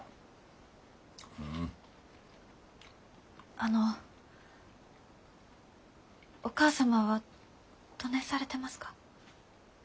あのお義母様はどねんされてますか？